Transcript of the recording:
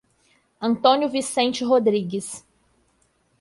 Antônio Vicente Rodrigues